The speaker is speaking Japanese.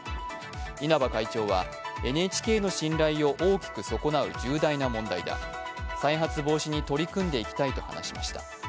稲葉会長は、ＮＨＫの信頼を大きく損なう重大な問題だ、再発防止に取り組んでいきたいと話しました。